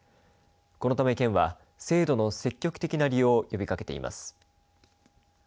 このため県は制度の積極的な利用を呼びかけています。